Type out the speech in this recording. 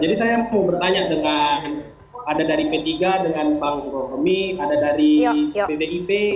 jadi saya mau bertanya dengan ada dari p tiga dengan bang romi ada dari bdip